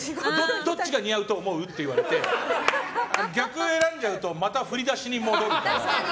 どっちが似合うと思う？って言われて逆を選んじゃうとまた振り出しに戻るから。